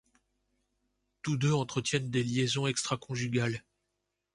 Tous deux entretiennent des liaisons extraconjugales.